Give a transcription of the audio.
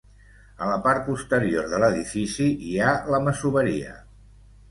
A la part posterior de l'edifici, hi ha la masoveria.